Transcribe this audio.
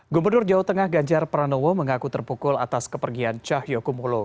gubernur jawa tengah ganjar pranowo mengaku terpukul atas kepergian cahyokumolo